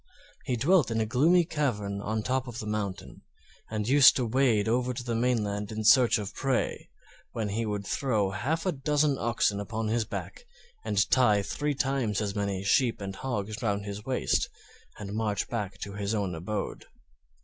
He dwelt in a gloomy cavern on the top of the mountain, and used to wade over to the mainland in search of prey, when he would throw half a dozen oxen upon his back, and tie three times as many sheep and hogs round his waist, and march back to his own abode.